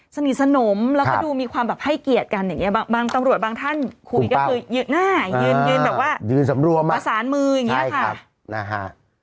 สนิทสนมแล้วก็ดูมีความแบบให้เกียรติกันอย่างนี้บางตำรวจบางท่านคุยก็คือยืนหน้ายืนยืนแบบว่ายืนสำรวมประสานมืออย่างนี้ค่ะนะฮะ